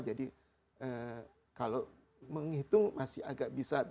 jadi kalau menghitung masih agak bisa